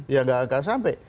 ya tidak akan sampai